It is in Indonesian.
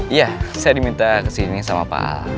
iya saya diminta kesini sama pak